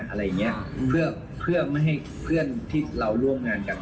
อะไรอย่างเงี้ยเพื่อเพื่อไม่ให้เพื่อนที่เราร่วมงานกัน